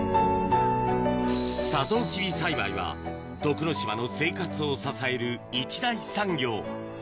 サトウキビ栽培は徳之島の生活を支える一大産業